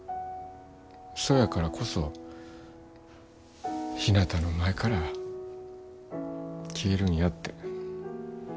そやからこそひなたの前から消えるんやって。